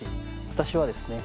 私はですね